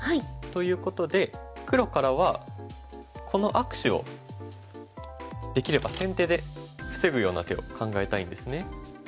ということで黒からはこの握手をできれば先手で防ぐような手を考えたいんですね。